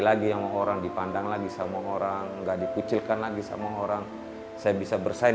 lagi yang orang dipandang lagi sama orang enggak dikucilkan lagi sama orang saya bisa bersaing